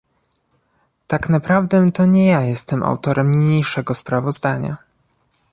Tak naprawdę to nie ja jestem autorem niniejszego sprawozdania